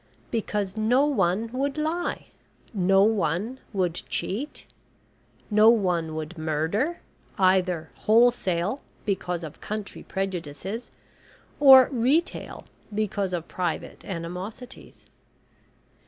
Because no one would lie; no one would cheat; no one would murder, either wholesale because of country prejudices, or retail because of private animosities.